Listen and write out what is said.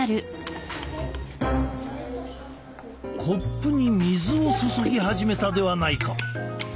コップに水を注ぎ始めたではないか。